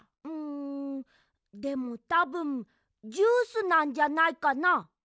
うんでもたぶんジュースなんじゃないかな？